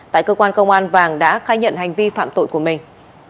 tại cơ quan công an vàng đã khai nhận hành vi phạm tội của mình